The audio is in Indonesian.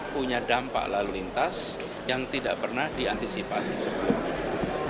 punya dampak lalu lintas yang tidak pernah diantisipasi sebelumnya